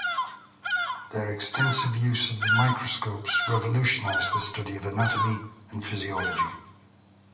Their extensive use of the microscopes revolutionized the study of anatomy and physiology.